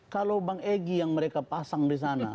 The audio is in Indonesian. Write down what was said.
kalau bang egy yang mereka pasang di sana